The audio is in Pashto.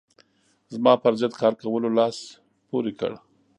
زما پر ضد کار کولو لاس پورې کړ.